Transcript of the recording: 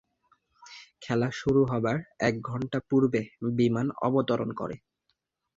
খেলা শুরু হবার এক ঘণ্টা পূর্বে বিমান অবতরণ করে।